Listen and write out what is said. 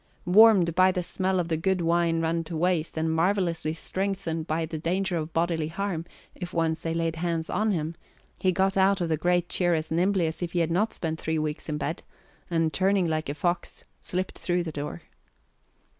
Warmed by the smell of the good wine run to waste, and marvellously strengthened by the danger of bodily harm if once they laid hands on him, he got out of the great chair as nimbly as if he had not spent three weeks in bed, and, turning like a fox, slipped through the door.